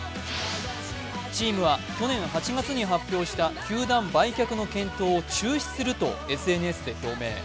チームは去年８月に発表した球団売却の検討を中止するとＳＮＳで表明。